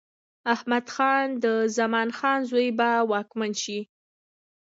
احمد خان د زمان خان زوی به واکمن شي.